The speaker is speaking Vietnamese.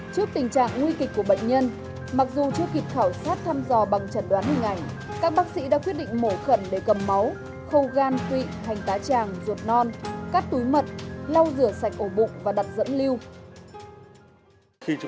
trước tình trạng nguy kịch của bệnh nhân mặc dù chưa kịp khảo sát thăm dò bằng chật đoán hình ảnh các bác sĩ đã quyết định mổ khẩn để cầm máu khâu gan tụy thành tá tràng ruột non cắt túi mật lau rửa sạch ổ bụng và đặt dẫn lưu